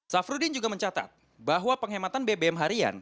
safruddin juga mencatat bahwa penghematan bbm harian